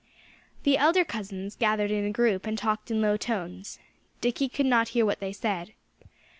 The elder cousins gathered in a group and talked in low tones. Dickie could not hear what they said.